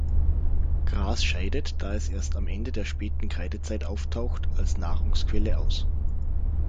Gras scheidet, da es erst am Ende der späten Kreidezeit auftaucht, als Nahrungsquelle aus.